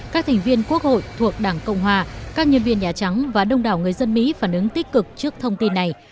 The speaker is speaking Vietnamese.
các thành viên quốc hội thuộc đảng cộng hòa các nhân viên nhà trắng và đông đảo người dân mỹ phản ứng tích cực trước thông tin này